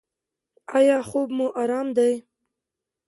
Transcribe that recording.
ایا خوب مو ارام دی؟